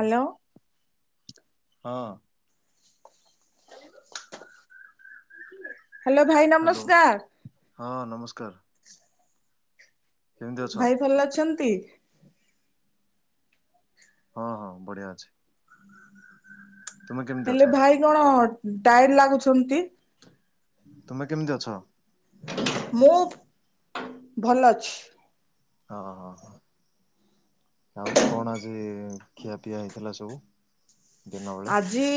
Hello. ହଁ। Hello ଭାଇ ନମସ୍କାର। କର। ଭାଇ ଭଲ ଅଛନ୍ତି। ହଁ ହଁ ବଢିଆ ଅଛି। ତୁମେ କେମିତି ହେଲେ ଅଛ? ଭାଇ କଣ ଟାଏଡ ଲାଗୁଛନ୍ତି। ତୁମେ କେମିତି ଅଛ? ମୁଁ ଭଲ ଅଛି। ହଁ ହଁ ହଁ। ଆଉ କଣ ଆଜି ଖିଆ ପିଆ ହେଇଥିଲା ସବୁ? ଦିନ ବେଳେ? ଆଜି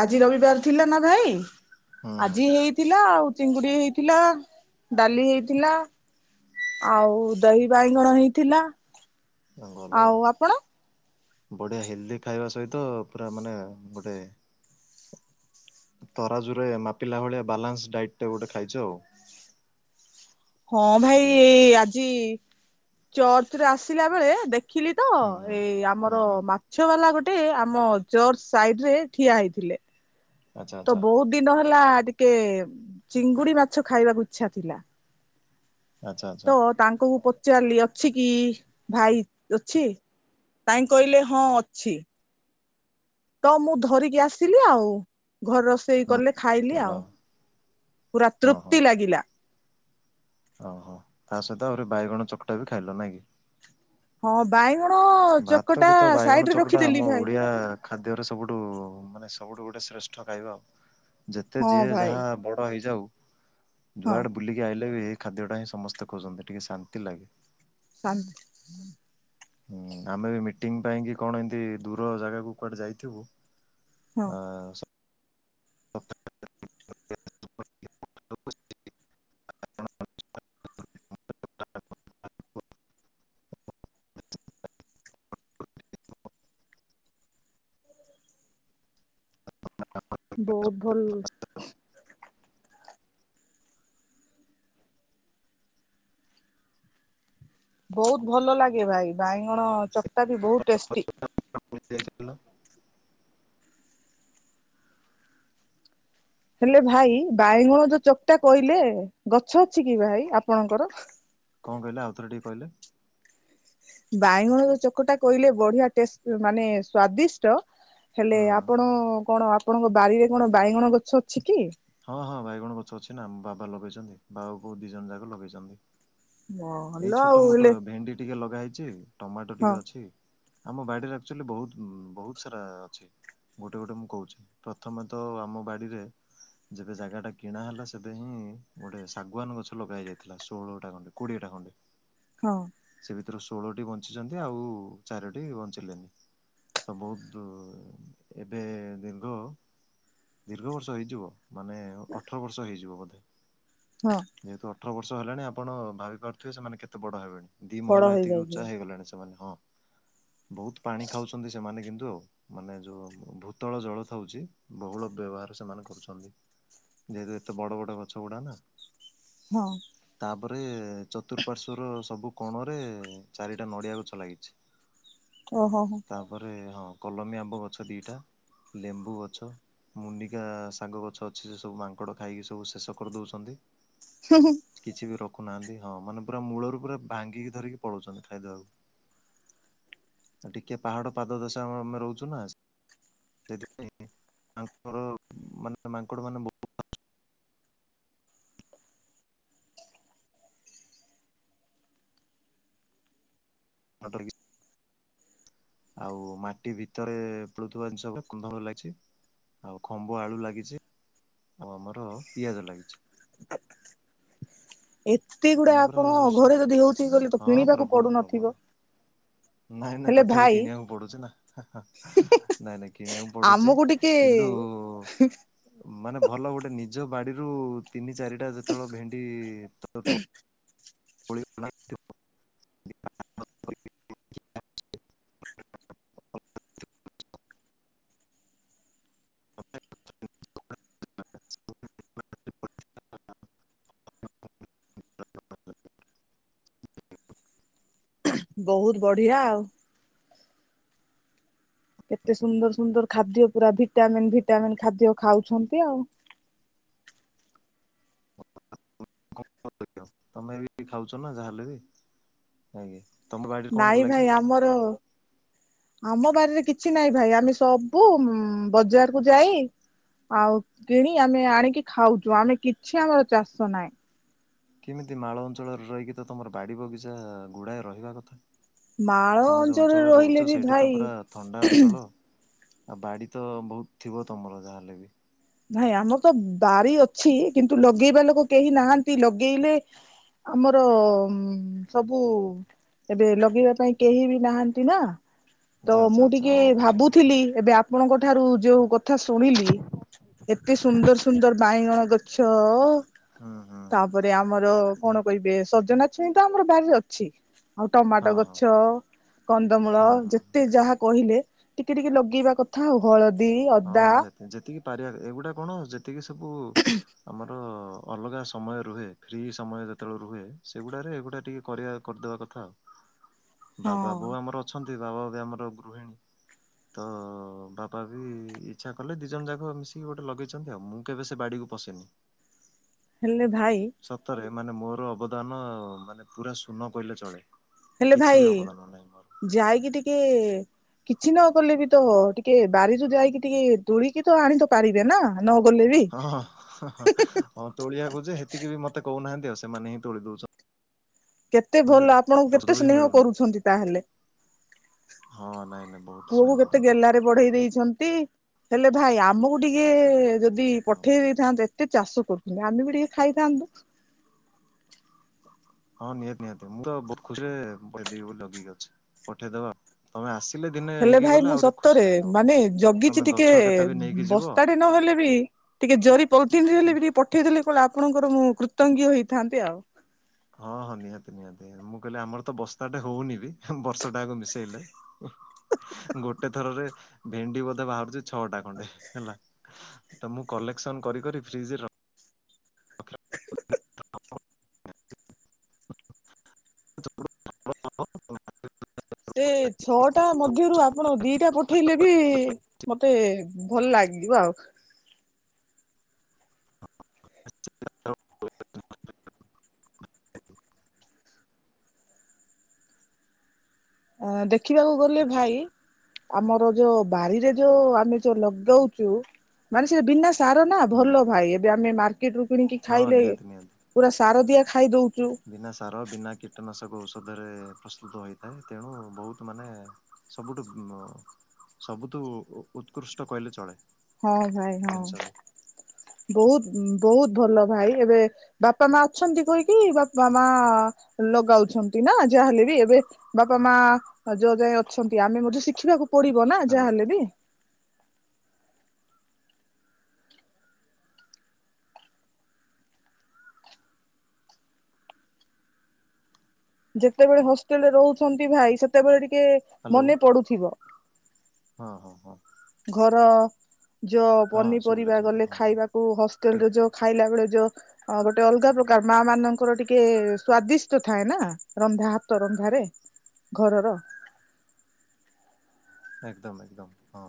ଆଜି ରବିବାର ଥିଲା ନା ଭାଇ ହୁଁ ଆଜି ହେଇଥିଲା ଆଉ। ଚିଙ୍ଗୁଡି ହେଇଥିଲା ଡାଲି ହେଇଥିଲା। ଆଉ ଦହି ବାଇଗଣ ହେଇଥିଲା। ଆଉ ଭଲ ଆଉ ବଢିଆ ହେଲଦି ଖାଇବା ସ ତ ପୁରା ମାନେ ଗୋଟେ। ତରାଜୁରେ ମାପିଲା ଭଳିଆ ବାଲାନ୍ସ ଡାଏଟ ଟେ ଗୋଟେ ଖାଇଛ ଆଉ। ହଁ ଭାଇ ଆଜି ଚର୍ଚ୍ଚରେ ଆସିଲା ବେଳେ ଦେ ଦେଖିଲି ତ ହୁଁ ହୁଁ। ଏଇ ହୁଁ ଆମର ହୁଁ ମାଛ ବାଲା ଗୋ ଗୋଟେ ଆମ ଚର୍ଚ ସାଇଡରେ ଠିଆ ହେଇଥିଲେ। ଆଚ୍ଛା ତ ଆଚ୍ଛା ବହୁତ ଦିନ ହେଲା ଟିକେ ଚିଙ୍ଗୁଡି ମାଛ ଖାଇବାକୁ ଇଚ୍ଛା ଥିଲା। ଆଚ୍ଛା ଆଚ୍ଛା ତ ତାଙ୍କ କୁ ପ ଚାଲି ଅଛି କି? ଭାଇ ଅଛି। ତାଇଁ କହିଲେ ହଁ ଅଛି। ତ ମୁଁ ଧରିକି ଆସିଲି ଆଉ, ଘର ରୋଷେଇ କଲେ ଖାଇଲି ଆଉ। ପୁରା ହଁ ହଁ। ତୃପ୍ତି ଲାଗିଲା। ଓହୋ, ତା ସହିତ ଆହୁରି ବାଇଗଣ ଚକଟା ବି ଖାଇଲ ନାଇଁ କି? ହଁ ବାଇ ଭାତକୁ ତ ବାଇଗଣ ଚକଟା, ଆମ ଭାଇ ଓଡ଼ିଆ ଖାଦ୍ୟର ସବୁଠୁ ମାନେ ସବୁଠୁ ଗୋଟେ ଶ୍ରେଷ୍ଠ ଖାଇବା। ଯେତେ ହଁ ଯିଏ ଭାଇ ଯାହା ବଡ଼ ହେଇଯାଉ ହଁ ଯୁଆଡେ ବୁଲିକି ଆଇଲେ ବି, ଏଇ ଖାଦ୍ୟଟା ହିଁ ସମସ୍ତେ ଖୋଜନ୍ତି। ଟିକେ ଶାନ୍ତି ଲାଗେ। ଶାନ୍ତି ହୁଁ, ଆମେ ବି ମିଟିଂ ପାଇଁକି କଣ, ଏମତି ଦୂର ଜାଗାକୁ କୁଆଡେ ଯାଇଥିବୁ। ହଁ ଆଁ ସ [inaudible] [inaudible] ବୋହୁତ ଭଲ। ବହୁତ ଭଲ ଲାଗେ ଭାଇ। ବାଇଗଣ ଚକଟା ବି ବହୁତ ଟେଷ୍ଟି। କୁଆଡ଼େ ଯାଇଛ କହିଲ? ହେଲେ, ଭାଇ, ବାଇଗଣ ଯୋଉ ଚକଟା କହିଲେ, ଗଛ ଅଛି କି ଭାଇ, ଆପଣଙ୍କର? କଣ କହିଲେ, ଆଉଥର ଟିକେ କହିଲେ? ବାଇଗଣର ଚକଟା କହିଲେ, ବଢିଆ ଟେଷ୍ଟ, ମାନେ ସ୍ଵାଦିଷ୍ଟ। ହେଲେ, ହୁଁ ହୁଁ। ଆପଣ କଣ, ଆପଣଙ୍କ ବାରିରେ କଣ ବାଇଗଣ ଗଛ ଅଛି କି? ହଁ, ହଁ, ବାଇଗଣ ଗଛ ଅଛି ନା। ବାବା ଲଗେଇଛନ୍ତି, ବାବା, ବୋଉ ଦି ଜଣ ଯାକ ଲଗେଇଛନ୍ତି। ଭଲ ଆଉ ହେଲେ ଗା ହେଇଛି। ଟମାଟୋ ହଁ ଟିକେ ଅଛି। ଆମ ବାଡିରେ ଆକ୍ଚୁଆଲି ବହୁତ ବହୁତ ସାରା ଅଛି। ଗୋଟେ ଗୋଟେ ମୁଁ କହୁଛି। ପ୍ରଥମେ ତ, ଆମ ବାଡିରେ ଯେବେ ଜାଗା ଟା କିଣା ହେଲା, ସେବେ ହିଁ ଗୋଟେ ଶାଗୁଆାନ ଗଛ ଲଗା ହେଇଯାଇଥିଲା। ଷୋହଳଟା, ଖଣ୍ଡେ କୋଡିଏ ଟା ଖଣ୍ଡେ ହଁ। ସେ ଭିତରୁ ଷୋଳଟି ବଞ୍ଚିଛନ୍ତି, ଆଉ ଚାରିଟି ବଞ୍ଚିଲେନି। ତ, ବହୁତ ଏବେ ଦୀର୍ଘ ଦୀର୍ଘ ବର୍ଷ ହେଇଯିବ। ମାନେ, ଅଠର ବର୍ଷ ହେଇଯିବ ବୋଧେ। ହଁ ଯେହେତୁ ଅଠର ବର୍ଷ ହେଲାଣି, ଆପଣ ଭାବି ପାରୁଥିବେ, ସେମାନେ କେତେ ବଡ ହେବେଣି। ଦି ବଡ ମହଲା ଏତିକି ହେଇଯାଇଛି ଉଚ୍ଚା ହେଇଗଲାଣି। ସେମାନେ ହଁ। [inaudible] ବହୁତ ପାଣି ଖାଉଛନ୍ତି ସେମାନେ, କିନ୍ତୁ ଆଉ, ମାନେ, ଯୋଉ ଭୂତଳ ଜଳ ଥାଉଛି ବହୁଳ ବ୍ୟବହାର ସେମାନେ କରୁଛନ୍ତି, ଯେହେତୁ ଏତେ ବଡ ବଡ ଗଛ ଗୁଡାନା। ହଁ। ତାପରେ, ଚତୁଃପାର୍ଶ୍ଵର ସବୁ କୋଣରେ, ଚାରିଟା ନଡିଆ ଗଛ ଲାଗିଛି। ଓହୋ ହୋ ତାପରେ, ହଁ, କଲମୀ ଆମ୍ବ ଗଛ ଦିଟା। ଲେମ୍ବୁ ଗଛ। ମୁନିକା ଶାଗ ଗଛ ଅଛି, ସେ ସବୁ ମାଙ୍କଡ଼ ଖାଇକି ସବୁ ଶେଷ କରିଦଉଛନ୍ତି। କିଛି ବି ରଖୁନାହାନ୍ତି। ହଁ, ମାନେ, ପୁରା ମୂଳରୁ ପୁରା ଭାଙ୍ଗିକି ଧରିକି ପଳଉଛନ୍ତି ଖାଇଦବାକୁ। ଟିକେ ପାହାଡ଼ ପାଦ ଦଶା, ଆମ-ମେ ରହୁଛୁ ନା ସେଥିପାଇଁ ମାଙ୍କଡ଼ ମାନେ ମାଙ୍କଡ଼ ମାନେ ବହୁତ। ନ ଡରିକି। ଆଉ, ମାଟି ଭିତରେ ଫଳୁଥିବା ଜିନିଷ, କନ୍ଦମୂଳ ଲାଗିଛି। ଆଉ। ଖମ୍ବ ଆଳୁ ଲାଗିଛି ଆଉ ଆମର ପିଆଜ ଲାଗିଛି। [inaudible] ଏତେ ଗୁଡା ମାନେ ପୁରା ଆପଣ ଘରେ ହଁ ଯଦି ହଉଛି ତାହେଲେ ତ କିଣି ବାକୁ ପ୍ରବଳ ପଡୁ ପ୍ରବଳ। ନଥିବ? ନାଇଁ, ନାଇଁ, ତଥାପି କିଣିଆକୁ ପଡୁଛି ନା ହାଁ ହାଁ ନାଇଁ, ନାଇଁ କିଣିଆକୁ ପଡୁଛି ଆମକୁ କିନ୍ତୁ। [unintelligible] ମାନେ ଭଲ ଗୋଟେ ନିଜ ବାଡ଼ିରୁ ତିନି ଚାରିଟା ଯେତେବେଳେ ଭେଣ୍ଡି ତୋ [inaudible] [inaudible] [inaudible] ବହୁତ ବଢିଆ ଆଉ। କେତେ ସୁନ୍ଦର ସୁନ୍ଦର ଖାଦ୍ୟ ପୁରା ଭିଟାମିନ୍ ଭିଟାମିନ୍ ଖାଦ୍ୟ ଖାଉଛନ୍ତି ଆଉ। [inaudible] ତମେ ବି ଖାଉଛ ନା ଯା ହେଲେ ବି ଆଜ୍ଞା। ତମ ବାଡିରେ କଣ ନାଇଁ ଲାଗିଛି? ଭାଇ ଆମର। ଆମ ବାରି ରେ କିଛି ନାଇଁ ଭାଇ ଆମେ ସବୁ ଉଁ ବଜାର କୁ ଯାଇ। ଆଉ କିଣି ଆମେ ଆଣିକି ଖାଉଛୁ ଆମେ କିଛି ଆମର ଚାଷ ନାହିଁ। କେମିତି ମାଳ ଅଞ୍ଚଳରେ ରହିକି ତ ତମର ବାଡି ବଗିଚା ଗୁଡାଏ ରହିବା କଥା। ମାଳ ତମେ ଯୋଉ ଅଞ୍ଚଳରେ ରହୁଛ ରହିଲେ ବି ସେଇଠି ତ ପୁରା ଥଣ୍ଡା ଭାଇ। ଅଞ୍ଚଳ। ଆଉ ବାଡି ତ ବହୁତ ଥିବ ତମର ଯାହା ହେଲେ ବି। ନାଇଁ ଆମର ତ ବାରି ଅଛି କିନ୍ତୁ ଲଗେଇବା ଲୋକ କେହି ନାହାନ୍ତି ଲଗେଇଲେ। ଆମର ଉ ସବୁ ଏବେ ଲଗେଇବା ପାଇଁ କେହି ବି ନାହାନ୍ତି ନା। ତ ଆଚ୍ଛା ଆଚ୍ଛା ମୁଁ ଆଚ୍ଛା ଟିକେ ହଁ ବୁଝିଲି। ଭାବୁଥିଲି ଏବେ। ଆପଣଙ୍କ ଠାରୁ ଯେଉ କଥା ଶୁଣିଲି। ଏତେ ସୁନ୍ଦର ସୁନ୍ଦର ବାଇଁଗଣ ଗଛ ହୁଁ ହୁଁ ହୁଁ ତାପରେ ଆମର। କଣ କହିବେ ସଜନା ଛୁଇଁ ତ ଆମର ବାରି ରେ ଅଛି। ଆଉ ହଁ ଟମାଟୋ ହଁ ଗଛ କନ୍ଦମୂଳ ହୁଁ ହୁଁ ଯେତେ ଯାହା। କହିଲେ ଟିକେ ଟିକେ ଲଗେଇବା କଥା ଆଉ ହଳଦୀ। ହଁ ଅଦା ନିହାତି ଯେତିକି ପାରିବା ଏଗୁଡା କଣ ଯେତିକି ସବୁ ଆମର। ଅଲଗା ସମୟ ରୁହେ ଫ୍ରି ସମୟ ଯେତେ ବେଳେ ରୁହେ ସେଗୁଡ଼ା ରେ ଏଗୁଡ଼ା ଟିକେ କରିବା କରିଦେବା କଥା ଆଉ।। ହଁ ବାବା ବୋଉ ଆମର ଅଛନ୍ତି ବାବା ବି ଆମର ଗୃହିଣୀ ତ ବାବା। ବି ଇଚ୍ଛା କଲେ ଦି ଜଣ ଯାକ ମିଶିକି ଗୋଟେ ଲଗେଇଛନ୍ତି ଆଉ ମୁଁ କେବେ ସେ ବାଡିକୁ ପସେନି। ହେଲେ ଭାଇ। ମାନେ ମୋର ଅବଦାନ ମାନେ ପୁରା ଶୂନ କହିଲେ ଚଳେ। ହେଲେ କିଛି ବି ଭାଇ ଅବଦାନ ନାହିଁ ମୋର। ଯାଇକି ଟିକେ। କିଛି ନ କଲେ ବି ତ ଟିକେ ବାରିରୁ ଯାଇକି ଟିକେ ତୋଳିକି ତ ଆଣି ତ ପାରିବେ ନା। ନ ଗଲେ ବି ହଁ -ହଁ -ହେଁ -ହଁ -ହଁ ତୋଳିିବାକୁ ଯେ ହେତିକି ବି ମତେ କହୁ ନାହାନ୍ତି ଆଉ ସେମାନେ ହିଁ ତୋଳି ଦଉଛନ୍ତି। କେତେ ଭଲ ଆଉ। ଆପଣଙ୍କୁ ତୋ କେତେ ବି ସ୍ନେହ ମିଳୁନି କରୁଛନ୍ତି ତାହେଲେ। ହଁ ନାଇଁ ନାଇଁ ବହୁତ ସ୍ନେହ ପୁଅକୁ କେତେ କରନ୍ତି ଗେଲାରେ ବଢେଇ ଦେଇଛନ୍ତି। ହେଲେ ଭାଇ ଆମକୁ ଟିକେ ଯଦି ହଁ। ପଠେଇ ଦେଇଥାନ୍ତେ ଏତେ ଚାଷ କରୁଛନ୍ତି ଆମେ ବି ଟିକେ ଖାଇଥାନ୍ତୁ। [inaudible] ହଁ ନିହାତି ନିହାତି ମୁଁ ତ ବହୁତ ଖୁସିରେ ପଠେଇ ଦେବି ବୋଲି ଯଗିକି ଅଛି ପଠେଇଦବା ଆଉ। ତମେ ଆସ। ହେଲେ ଭାଇ ମୁଁ ସତରେ ମାନେ ତମେ ଜଗିଛି ଟିକେ ଗଛ କେତା ବି ନେଇକି ଯିବ। ବସ୍ତାଟେ ନ ହେଲେ ବି। ଟିକେ ଜରି ପଲିଥିିନ ହେଲେ ବି ଟିକେ ପଠେଇ ଦେଲେ କଁଲା ଆପଣଙ୍କର ମୁଁ କୃତଜ୍ଞ ହେଇଥାନ୍ତି ଆଉ। ହଁ ହଁ ନିହାତି ନିହାତି ମୁଁ କହିଲି ଆମର ତ ବସ୍ତାଟେ ହଉନି ବି ବର୍ଷଟା ଆକ ମିଶେଇଲେ। ଗୋଟେ ଥରରେ ଭେଣ୍ଡି ବୋଧେ ବାହାରୁଛି ଛଅଟା ଖଣ୍ଡେ ହେଲା ତ ମୁଁ କଲି। କଲେକ୍ସନ୍ କରି କରି ଫ୍ରିଜ୍ ର ହ [inaudible] [unintelligible] [unintelligible] ସେ ଛଅଟା ମଧ୍ୟରୁ ଆପଣ ଦିଟା ପଠେଇଲେ। ବି ମତେ ଭଲ ଲାଗଯିବ ଆଉ। ଅ ଦେଖିବାକୁ ଗଲେ ଭାଇ ଆମର ଯୋଉ ବାରିରେ ଯୋଉ ଆମେ ଯୋଉ ଲଗାଉଚୁ, ମାନେ ସେ ବିନା ସାର ନା ଭଲ ଭାଇ ଏବେ ଆମେ ମାର୍କେଟ ରୁ କିଣିକି ହଁ ଖାଇଲେ ନିହାତି ନିହାତି। ପୁରା ସାର ଦିଆ ଖାଇଦଉ। ବିନା ସାର ବିନା କୀଟନାଶକ ଔଷ ଔଷଧରେ ପ୍ରସ୍ତୁତ ହୋଇଥାଏ ତେଣୁ ବହୁତ ମାନେ ସବୁଠୁ ମ ସବୁଠୁ ଉତ୍କୃଷ୍ଟ କହିଲେ ଚଳେ। ହଁ ଭାଇ ହଁ, ଜିନିଷଟି ବହୁତ ବହୁତ ଭଲ। ଭାଇ ଏବେ ବାପା ମା ଅଛନ୍ତି କହିକି ବାପା ମା ଲଗାଉଛନ୍ତି ନା ଯାହାହେଲେ। ଏବେ ବାପା ମା ଯୋଉ ଯାଏ ଅଛନ୍ତି ଆମେ ମଧ୍ୟ ଶିଖିବାକୁ ପଡିବ ନା ହ୍ୟାଲୋ ଯାହାହେଲେ ବି। ଯେତେବେଳେ ହଷ୍ଟେଲରେ ରହୁଛନ୍ତି ଭାଇ ସେତେବେଳେ ଟି କେ ହ୍ୟାଲୋ ମନେ ପଡୁଥିବ। ହଁ ହଁ ହଁ ଘର ଯ ହଁ ଶୁଭିଲା ପନିପରିବା ଶୁଭିଲା ଗଲେ ହଁ ହଁ ଖାଇବାକୁ ଠିକ ହଷ୍ଟେଲରେ ଯୋଉ ଖାଇଲା ବେଳେ ଯୋଉ ଗୋଟେ ଅଲଗା ପ୍ରକାର ମା ମାନଙ୍କର ଟିକେ ସ୍ଵାଦିଷ୍ଟ ଥାଏ ନା ରନ୍ଧା ହାତ ର ନ୍ଧାରେ ଘରର। ଏକଦମ୍ ଏକଦମ୍ ହଁ।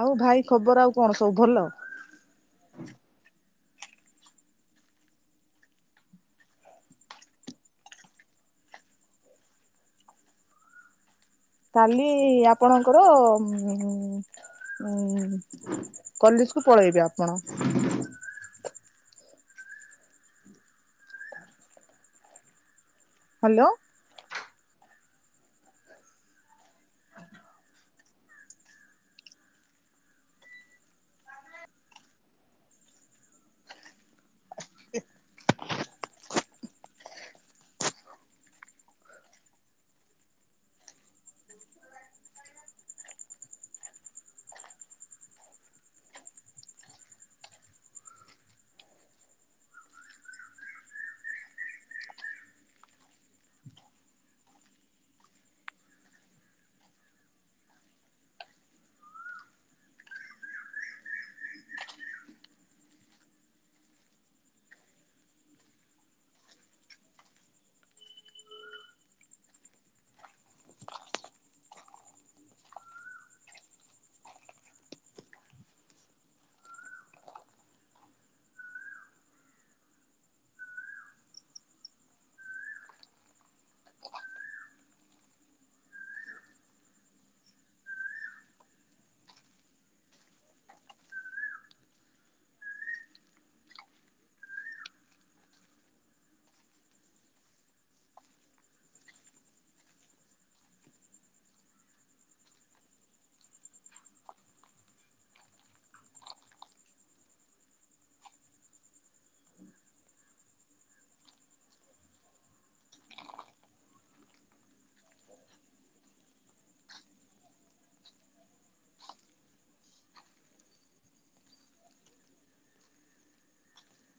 ଆଉ ଭାଇ ଖବର ଆଉ କଣ ସବୁ ଭଲ? ହଁ କାଲି ଆପଣଙ୍କର ଉଁ-ଉଁ। କଲେଜକୁ ପଳେଇବେ ଆପଣ। ହ୍ୟାଲୋ। ହାଲୋ। [inaudible]